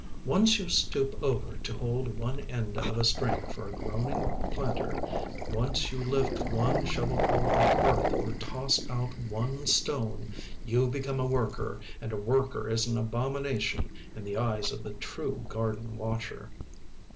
Once you stoop over to hold one end of a string for a groaning planter, once you lift one shovelful of earth or toss out one stone, you become a worker and a worker is an abomination in the eyes of the true garden watcher.